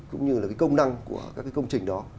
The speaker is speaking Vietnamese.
cũng như là công năng của các công trình đó